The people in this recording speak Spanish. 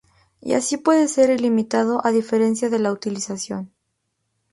Y así puede ser ilimitado; a diferencia de la utilización.